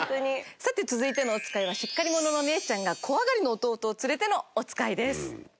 さて続いてのおつかいはしっかり者のお姉ちゃんが怖がりの弟を連れてのおつかいです。